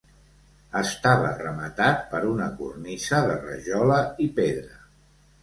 Estava rematat per una cornisa de rajola i pedra.